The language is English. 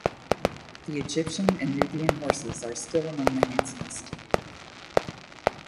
The Egyptian and Nubian horses are still among the handsomest.